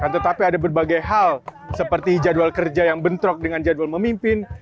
tetapi ada berbagai hal seperti jadwal kerja yang bentrok dengan jadwal memimpin